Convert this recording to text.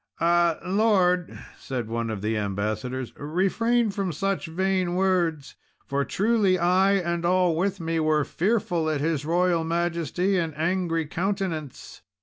"Ah, lord," said one of the ambassadors, "refrain from such vain words, for truly I and all with me were fearful at his royal majesty and angry countenance.